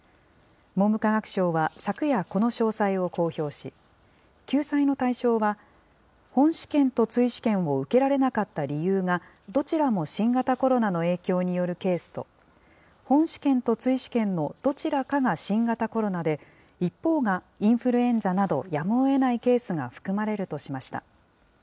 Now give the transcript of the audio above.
文部科学省は、昨夜、この詳細を公表し、救済の対象は、本試験と追試験を受けられなかった理由が、どちらも新型コロナの影響によるケースと、本試験と追試験のどちらかが新型コロナで、一方がインフルエンザなど、やむをえないケースが含まれるとしました。